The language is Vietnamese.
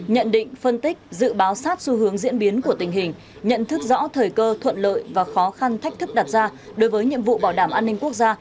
nhận định phân tích dự báo sát xu hướng diễn biến của tình hình nhận thức rõ thời cơ thuận lợi và khó khăn thách thức đặt ra đối với nhiệm vụ bảo đảm an ninh quốc gia